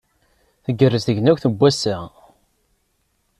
Tgerrez tegnewt n wass-a.